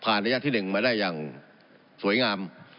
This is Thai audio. ผ่านระยะที่หนึ่งมาได้อย่างสวยงาม